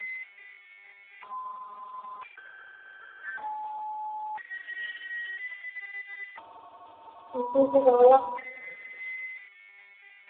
范蠡弯贝介为弯贝介科弯贝介属下的一个种。